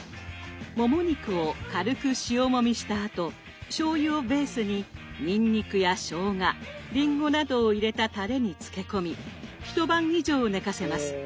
もも肉を軽く塩もみしたあとしょうゆをベースににんにくやしょうがりんごなどを入れたたれに漬け込み一晩以上寝かせます。